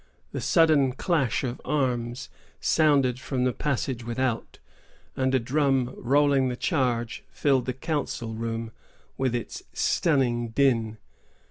The sudden clash of arms sounded from the passage without, and a drum rolling the charge filled the council room with its stunning din.